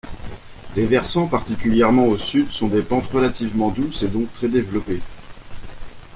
Les versants particulièrement au Sud, sont des pentes relativement douces et donc très développées.